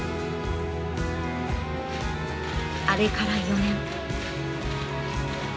あれから４年。